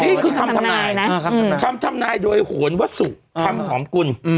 นี่คือคำทำนายนะคำทำนายโดยโหนวสุคำหอมกุล